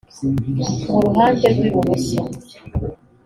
mu ruhande rw ibumoso